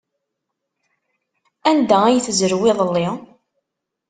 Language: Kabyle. Anda ay tezrew iḍelli?